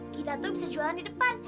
kita tuh bisa jualan di depan